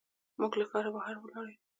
موږ له ښار بهر ولاړ یو.